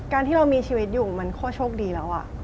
การที่เรามีชีวิตอยู่มันก็โชคดีแล้ว